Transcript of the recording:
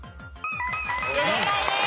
正解です。